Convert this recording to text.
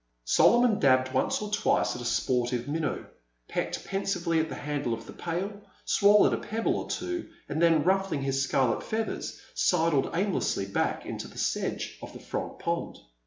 Solomon dabbed once or twice at a sportive minnow, pecked pensively at the handle of the pail, swallowed a pebble or two, and then, rufBdng his scarlet feathers, sidled aimlessly back into the sedge by the frog pond.